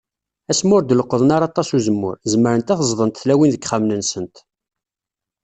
Asmi ur d-leqqḍen ara aṭas n uzemmur, zemrent ad t-zḍent tlawin deg yixxamen-nsent.